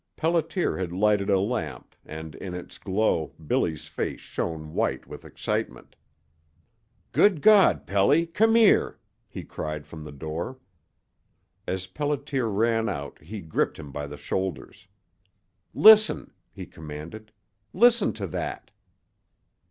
Pelliter had lighted a lamp, and in its glow Billy's face shone white with excitement. "Good God, Pelly, come here!" he cried from the door. As Pelliter ran out he gripped him by the shoulders. "Listen!" he commanded. "Listen to that!"